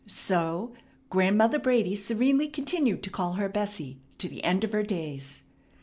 So Grandmother Brady serenely continued to call her "Bessie" to the end of her days.